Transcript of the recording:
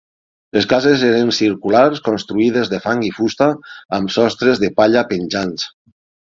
Les cases eren circulars, construïdes de fang i fusta amb sostres de palla penjants.